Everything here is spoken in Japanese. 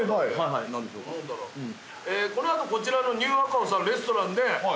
この後こちらのニューアカオさんのレストランで。